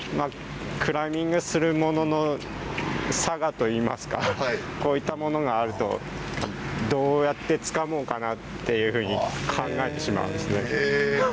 クライミングする者の性といいますかこういったものがあるとどうやって使うものかなというふうに考えてしまうんですね。